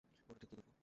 এটা ঠিক কী ঘটল?